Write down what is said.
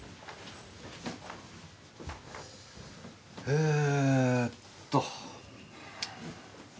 えーっと。